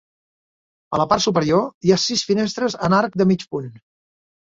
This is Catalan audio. A la part superior hi ha sis finestres en arc de mig punt.